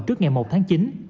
trước ngày một tháng chín